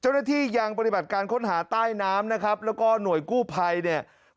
ยังปฏิบัติการค้นหาใต้น้ำนะครับแล้วก็หน่วยกู้ภัยเนี่ย